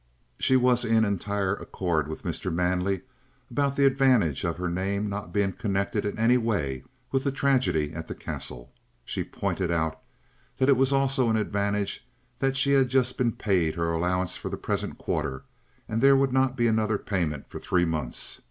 She was in entire accord with Mr. Manley about the advantage of her name not being connected in any way with the tragedy at the Castle. She pointed out that it was also an advantage that she had just been paid her allowance for the present quarter, and there would not be another payment for three months.